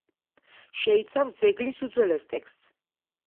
შეიცავს ძეგლის უძველეს ტექსტს.